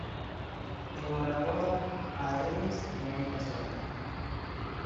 En hora boa a eles e moita sorte.